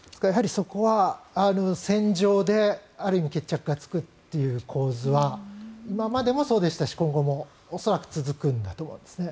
そこは戦場である意味決着がつくという構図は今までもそうでしたし今後も恐らく続くんだと思いますね。